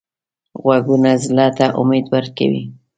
غږونه زړه ته امید ورکوي